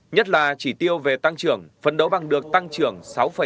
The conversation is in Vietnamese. nhất là chỉ tiêu về tăng trưởng phấn đấu bằng được tăng trưởng sáu bảy